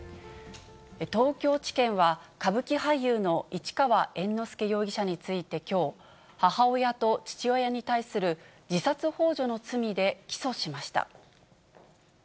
東京地検は、歌舞伎俳優の市川猿之助容疑者について、きょう、母親と父親に対する自殺ほう助の罪で起訴しました。